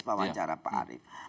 bukan cara pak arief